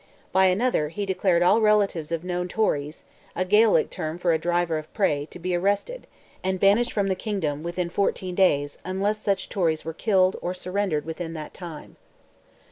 By another, he declared all relatives of known Tories—a Gaelic term for a driver of prey—to be arrested, and banished the kingdom, within fourteen days, unless such Tories were killed, or surrendered, within that time.